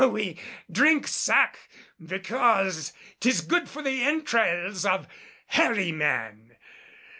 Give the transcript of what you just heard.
"We drink sack because 'tis good for the entrails of hairy men.